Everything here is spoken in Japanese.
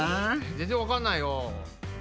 全然わかんないよ。